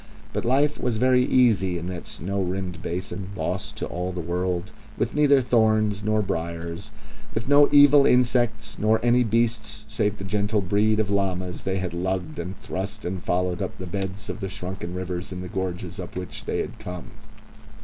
But life was very easy in that snow rimmed basin, lost to all the world, with neither thorns nor briars, with no evil insects nor any beasts save the gentle breed of llamas they had lugged and thrust and followed up the beds of the shrunken rivers in the gorges up which they had come.